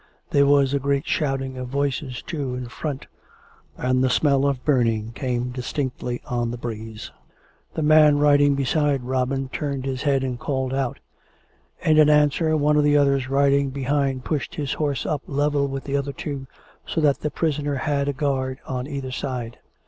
There was a great shouting of voices, too, in front, and the smell of burning came distinctly on the breeze. The man riding beside Robin turned his head and called out; and in answer one of the others riding be hind pushed his horse up level with the other two, so that the prisoner had a guard on either side.